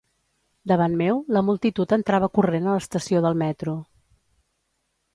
Davant meu la multitud entrava corrent a l'estació del Metro